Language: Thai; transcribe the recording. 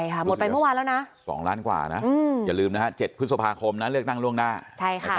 หมดไปเมื่อวานแล้วนะ๒ล้านกว่านะอย่าลืมนะฮะ๗พฤษภาคมนะเลือกตั้งล่วงหน้าใช่ค่ะ